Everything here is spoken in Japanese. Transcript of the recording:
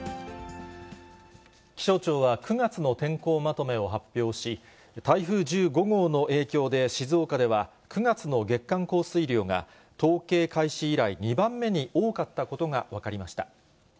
気象庁は、９月の天候まとめを発表し、台風１５号の影響で、静岡では９月の月間降水量が統計開始以来、２番目に多かったことが分かりました。